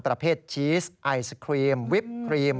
ประเภทชีสไอศครีมวิปครีม